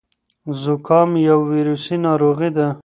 زکام یو ویروسي ناروغي ده.